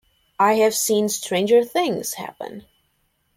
I have seen stranger things happen.